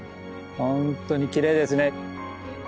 本当にきれいですね。